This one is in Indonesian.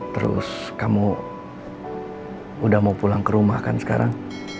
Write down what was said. terus kamu udah mau pulang ke rumah kan sekarang